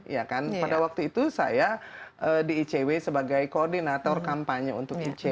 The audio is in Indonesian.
ya kan pada waktu itu saya di icw sebagai koordinator kampanye untuk icw